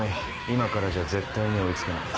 今からじゃ絶対に追い付かない。